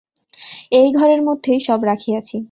এই ঘরের মধ্যেই সব রাখিয়াছি।